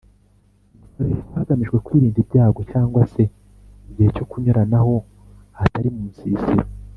zikoreshwa hagamijwe kwirinda ibyago cg se mugihe cyo kunyuranaho ahatari Munsisiro